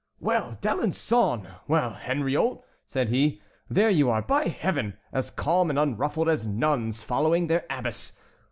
"Well, D'Alençon! Well, Henriot!" said he, "there you are, by Heaven, as calm and unruffled as nuns following their abbess.